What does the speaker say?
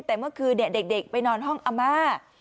แต่เมื่อคืนเด็กไปนอนห้องอาม่า